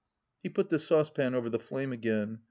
He put the saucepan over the flame again.